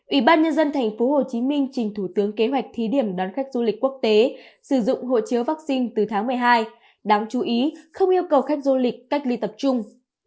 ủy ban nhân dân tp hcm trình thủ tướng kế hoạch thí điểm đón khách du lịch quốc tế sử dụng hộ chiếu vaccine từ tháng một mươi hai đáng chú ý không yêu cầu khách du lịch cách ly tập trung